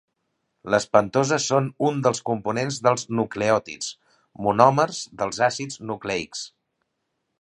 Les pentoses són un dels components dels nucleòtids, monòmers dels àcids nucleics.